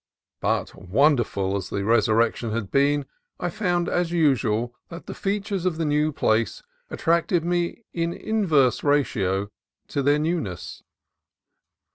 But wonderful as the resurrection has been, I found, as usual, that the features of the place attracted me in inverse ratio to their newness.